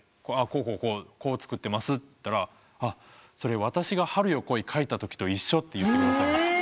こうこうこうこう作ってますっつったらそれ私が『春よ、来い』書いたときと一緒って言ってくださいました。